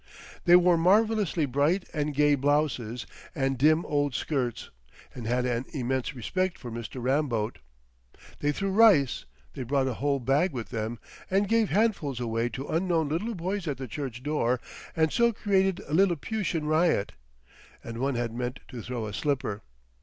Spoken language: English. They wore marvellously bright and gay blouses and dim old skirts, and had an immense respect for Mr. Ramboat. They threw rice; they brought a whole bag with them and gave handfuls away to unknown little boys at the church door and so created a Lilliputian riot; and one had meant to throw a slipper.